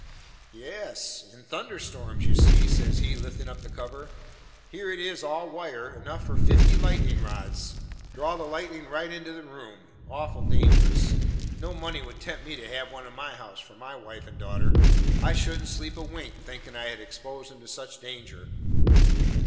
"Yes, in thunder storms, you see;" says he, liftin' up the cover, "here it is all wire, enough for fifty lightnin' rods draw the lightnin' right into the room. Awful dangerous! No money would tempt me to have one in my house with my wife and daughter. I shouldn't sleep a wink thinkin' I had exposed 'em to such danger."